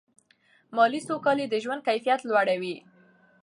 مالي سوکالي د ژوند کیفیت لوړوي.